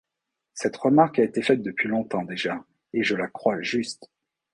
Cette remarque a été faite depuis longtemps déjà, et je la crois juste.